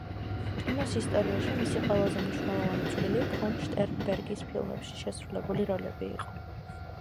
კინოს ისტორიაში მისი ყველაზე მნიშვნელოვანი წვლილი ფონ შტერნბერგის ფილმებში შესრულებული როლები იყო.